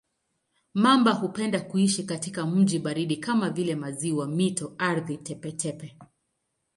Mamba hupenda kuishi katika maji baridi kama vile maziwa, mito, ardhi tepe-tepe.